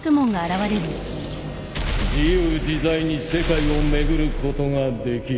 自由自在に世界を巡ることができる。